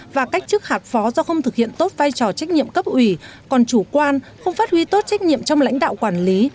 và cách chức hạt phó do không thực hiện tốt vai trò trách nhiệm cấp ủy còn chủ quan không phát huy tốt trách nhiệm trong lãnh đạo quản lý